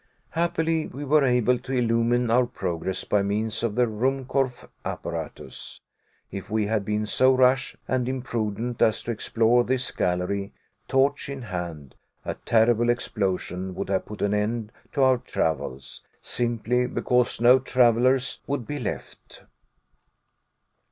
Happily, we were able to illumine our progress by means of the Ruhmkorff apparatus. If we had been so rash and imprudent as to explore this gallery, torch in hand, a terrible explosion would have put an end to our travels, simply because no travelers would be left.